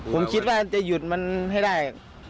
ผมคิดว่าจะหยุดมันให้ได้